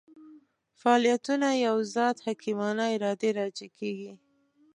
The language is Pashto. فاعلیتونه یوه ذات حکیمانه ارادې راجع کېږي.